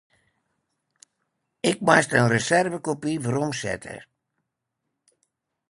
Ik moast in reservekopy weromsette.